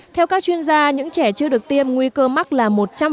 theo các chuyên gia những trẻ chưa được tiêm nguy cơ mắc là một trăm linh